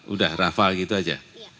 udah rafa gitu aja